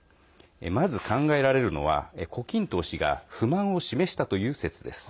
まず考えられるのは、胡錦涛氏が不満を示したという説です。